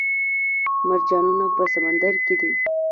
مرجانونه په سمندر کې دي